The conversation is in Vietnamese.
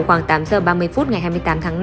khoảng tám giờ ba mươi phút ngày hai mươi tám tháng năm